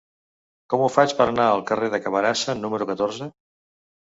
Com ho faig per anar al carrer de Camarasa número catorze?